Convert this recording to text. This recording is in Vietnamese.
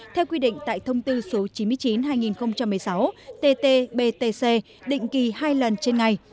theo quy định tại thông tư số chín mươi chín hai nghìn một mươi sáu tt btc định kỳ hai lần trên ngày